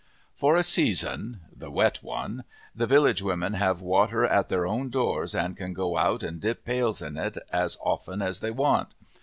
For a season (the wet one) the village women have water at their own doors and can go out and dip pails in it as often as they want.